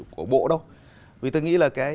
của bộ đâu vì tôi nghĩ là